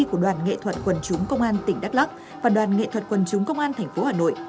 của đoàn nghệ thuật quần chúng công an tỉnh đắk lắc và đoàn nghệ thuật quần chúng công an tp hà nội